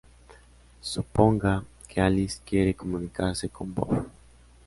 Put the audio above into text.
Suponga que Alice quiere comunicarse con Bob.